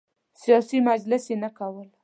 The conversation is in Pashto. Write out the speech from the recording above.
سیاسي مجالس یې نه کول.